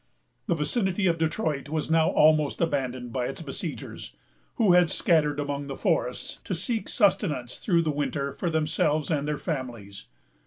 The vicinity of Detroit was now almost abandoned by its besiegers, who had scattered among the forests to seek sustenance through the winter for themselves and their families.